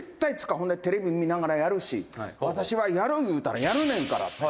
ほんで、テレビ見ながらやるし私は、やる言うたらやるねんからって」